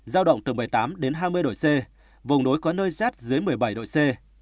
giao động từ một mươi tám đến hai mươi độ c vùng núi có nơi rét dưới một mươi bảy độ c